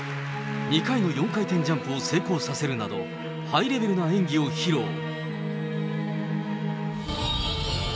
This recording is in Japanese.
２回の４回転ジャンプを成功させるなど、ハイレベルな演技を披露。